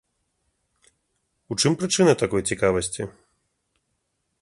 У чым прычына такой цікавасці?